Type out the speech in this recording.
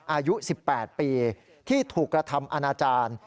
อายุ๑๘ปีที่ถูกกระทำอาณาจารย์